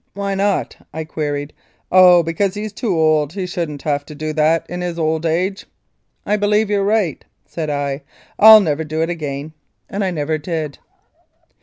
"Why not?" I queried. "Oh ! because he's too old; he shouldn't have that to do in his old age." "I believe you're right," said I. "I'll never do it again," and I never did.